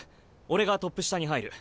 俺がトップ下に入る。